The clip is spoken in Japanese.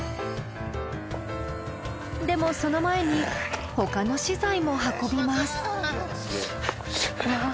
でもその前に他の資材も運びます。